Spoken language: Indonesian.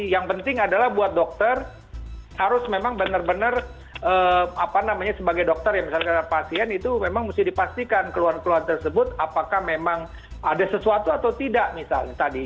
yang penting adalah buat dokter harus memang benar benar apa namanya sebagai dokter ya misalnya pasien itu memang mesti dipastikan keluhan keluhan tersebut apakah memang ada sesuatu atau tidak misalnya tadi